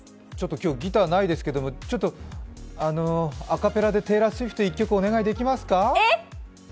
今日ギターないですけどちょっと、アカペラでテイラー・スウィフト一曲お願いできますか？